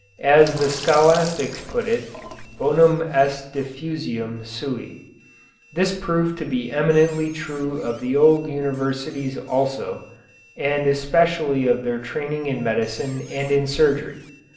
As the scholastics put it, bonum est diffusivum sui. This proved to be eminently true of the old universities also, and especially of their training in medicine and in surgery.